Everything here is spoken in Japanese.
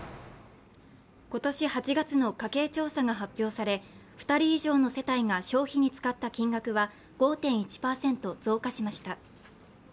今年８月の家計調査が発表され２人以上の世帯が消費に使った金額は５．１％、増加しました。